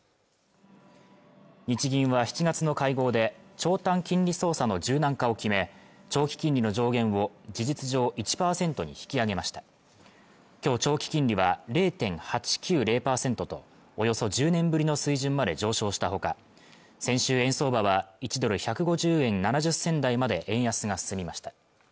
日銀は７月の会合で長短金利操作の柔軟化を決め長期金利の上限を事実上１％に引き上げました今日長期金利は０．８９０％とおよそ１０年ぶりの水準まで上昇したほか先週円相場は１ドル＝１５０円７０銭台まで円安が進みました